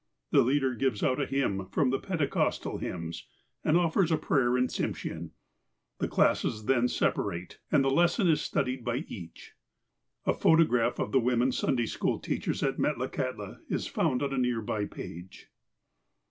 The leader gives out a hymn from Pentecostal Hymns, and offers a prayer in Tsimsheau. The classes then separate, and the lesson is studied by each. (A photograph of the women Sunday school teachers at Metlakahtla is found on a near by page.)